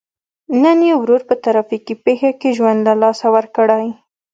نن یې ورور په ترافیکي پېښه کې ژوند له لاسه ورکړی.